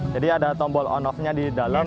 jadi ada tombol on off nya di dalam